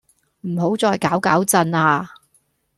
唔好再搞搞震呀